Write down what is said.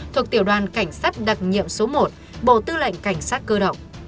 thuộc tiểu đoàn cảnh sát đặc nhiệm số một bộ tư lệnh cảnh sát cơ động